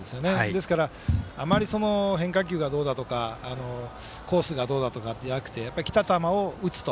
ですから、変化球がどうだとかコースがどうだとかじゃなくてきた球を打つと。